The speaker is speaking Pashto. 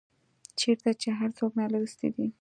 چيرته چي هر څوک نالوستي دي